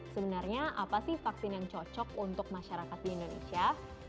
sebenarnya apa sih vaksin yang cocok untuk masyarakat di indonesia